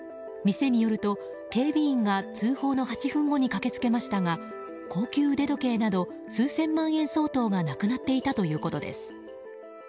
店によると警備員が通報の８分後に駆けつけましたが高級腕時計など数千万円相当がなくなっていたということです。